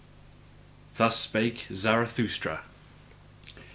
Thus spake Zarathustra.